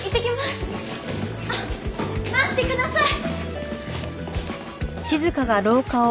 待ってください！